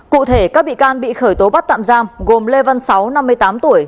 cụ thể các bị can bị khởi tố bắt tạm giam gồm lê văn sáu năm mươi tám tuổi